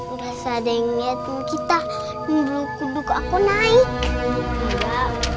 ngerasa ada yang liat mau kita mau belok kuduk aku naik